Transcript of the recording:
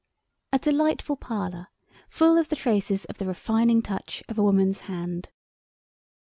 A delightful parlour full of the traces of the refining touch of a woman's hand.